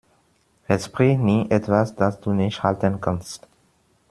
Versprich nie etwas, das du nicht halten kannst.